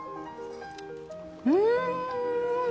うん！